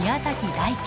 大輝